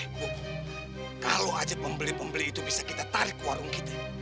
kalau aja pembeli pembeli itu bisa kita tarik warung kita